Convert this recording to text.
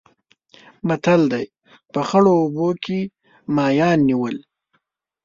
متل دی: په خړو اوبو کې ماهیان نیول.